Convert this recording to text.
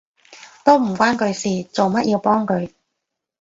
都唔關佢事，做乜要幫佢？